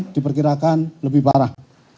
diperkirakan lebih parah